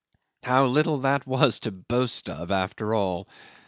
How little that was to boast of, after all!